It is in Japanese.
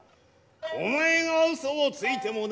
お前が嘘をついてもな